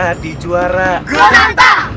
jadi juara kun anta